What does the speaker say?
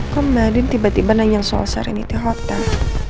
kok mbak adin tiba tiba nanya soal serenity hotel